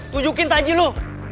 tujukin tadi lo